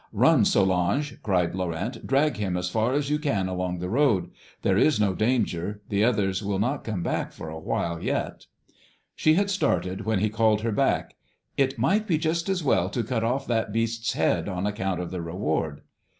"'Run, Solange!' cried Laurent; 'drag him as far as you can along the road. There is no danger; the others will not come back for a while yet.' "She had started, when he called her back. 'It might be just as well to cut off that beast's head on account of the reward.'